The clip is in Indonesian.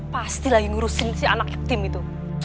pasti lagi ngurusin si anak tim itu